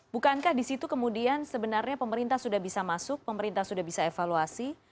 bukankah di situ kemudian sebenarnya pemerintah sudah bisa masuk pemerintah sudah bisa evaluasi